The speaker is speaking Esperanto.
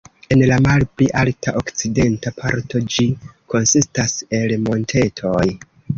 En la malpli alta okcidenta parto ĝi konsistas el montetoj.